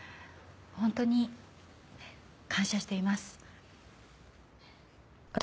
ほんとに感謝しています。